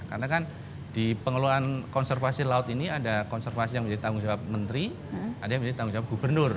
karena kan di pengelolaan konservasi laut ini ada konservasi yang menjadi tanggung jawab menteri ada yang menjadi tanggung jawab gubernur